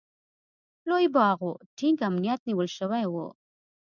لوی باغ و، ټینګ امنیت نیول شوی و.